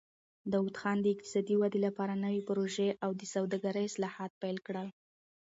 داوود خان د اقتصادي ودې لپاره نوې پروژې او د سوداګرۍ اصلاحات پیل کړل.